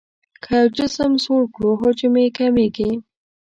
که یو جسم سوړ کړو حجم یې کمیږي.